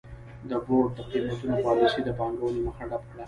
د بورډ د قېمتونو پالیسۍ د پانګونې مخه ډپ کړه.